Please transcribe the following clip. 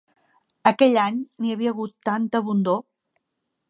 Aquell any n'hi havia hagut tanta abundor